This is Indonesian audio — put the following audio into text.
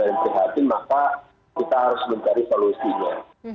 kalau dari kehatian maka kita harus mencari solusinya